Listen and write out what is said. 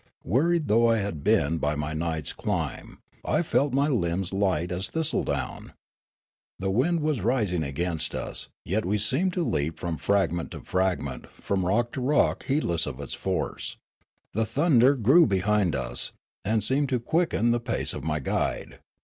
Wearied though I had been by my night's climb I felt my limbs light as thistledown. The wind was rising against us, yet we seemed to leap The Midnight Ascent and Flight 185 from fragment to fragment, from rock to rock heedless of its force. The thunder grew behind us, and seemed to quicken the pace of my guide.